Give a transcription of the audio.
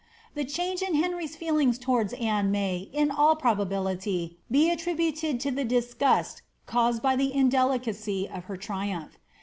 The change in Henry's feelings towards Anne may, in all probability, be attributed to the dis gust caused by the indelicacy of her triumph.